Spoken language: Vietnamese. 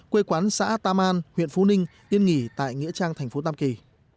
quê quán xã tam an huyện phú ninh yên nghỉ tại nghĩa trang tp tam kỳ